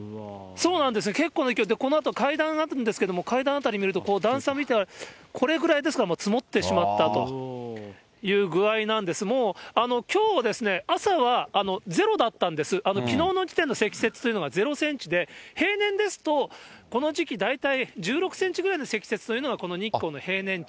結構な雪で、階段になってるんですけれども、階段辺り見ると段差見たら、これぐらいですから積もってしまったという具合なんです、もうきょう、朝は０だったんです、きのうの時点の積雪というのが０センチで、平年ですと、この時期、大体１６センチぐらいの積雪というのがこの日光の平年値。